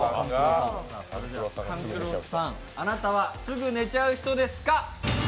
勘九郎さん、あなたはすぐ寝ちゃう人ですか？